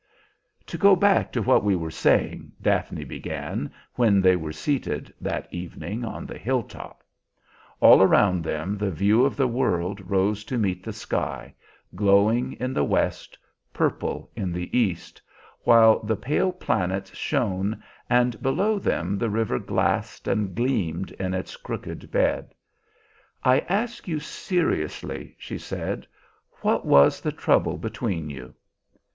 "To go back to what we were saying," Daphne began, when they were seated, that evening, on the hilltop. All around them the view of the world rose to meet the sky, glowing in the west, purple in the east, while the pale planets shone, and below them the river glassed and gleamed in its crooked bed. "I ask you seriously," she said. "What was the trouble between you?"